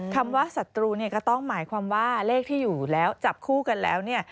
คำว่าสตูก็ต้องหมายความว่าเลขที่อยู่แล้วจับคู่กันแล้ว